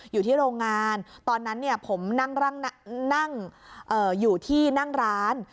อยู่ที่โรงงานตอนนั้นผมนั่งอยู่ที่นั่งร้าน